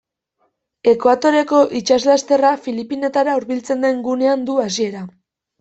Ekuatoreko itsaslasterra Filipinetara hurbiltzen den gunean du hasiera.